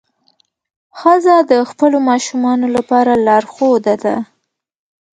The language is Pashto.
ښځه د خپلو ماشومانو لپاره لارښوده ده.